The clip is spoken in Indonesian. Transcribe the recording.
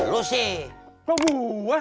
lu sih kabu